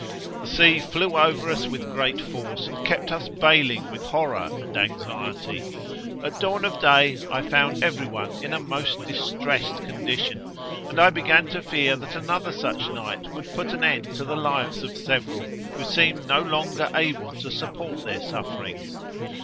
The sea flew over us with great force, and kept us baling with horror and anxiety. At dawn of day I found every one in a most distressed condition, and I began to fear that another such night would put an end to the lives of several, who seemed no longer able to support their sufferings.